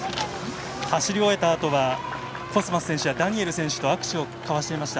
走り終えたあとコスマス選手やダニエル選手と握手をかわしていました。